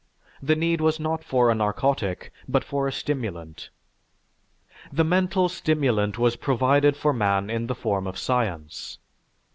The need was not for a narcotic, but for a stimulant. The mental stimulant was provided for man in the form of science.